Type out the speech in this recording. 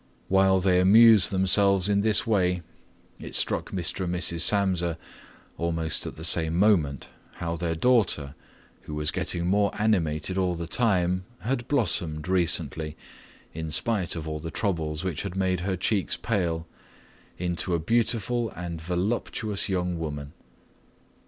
While they amused themselves in this way, it struck Mr. and Mrs. Samsa, almost at the same moment, how their daughter, who was getting more animated all the time, had blossomed recently, in spite of all the troubles which had made her cheeks pale, into a beautiful and voluptuous young woman.